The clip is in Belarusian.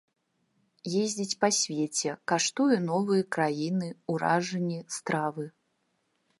Ездзіць па свеце, каштуе новыя краіны, уражанні, стравы.